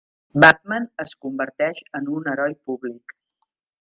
Batman es converteix en un heroi públic.